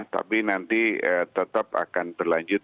tapi nanti tetap akan berlanjut